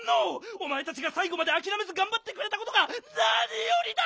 おまえたちがさいごまであきらめずがんばってくれたことがなによりだ！